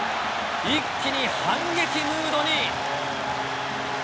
一気に反撃ムードに。